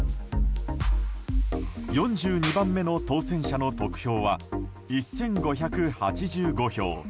４２番目の当選者の得票は１５８５票。